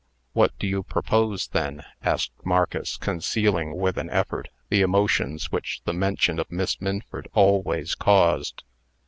"What do you propose, then?" asked Marcus, concealing, with an effort, the emotions which the mention of Miss Minford always caused."